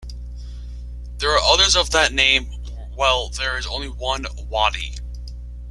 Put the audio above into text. There are others of that name, while there is only one Watty.